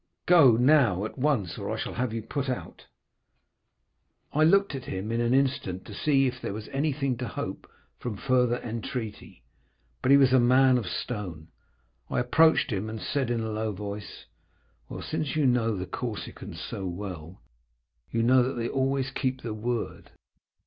Go now, at once, or I shall have you put out.' "I looked at him an instant to see if there was anything to hope from further entreaty. But he was a man of stone. I approached him, and said in a low voice, 'Well, since you know the Corsicans so well, you know that they always keep their word.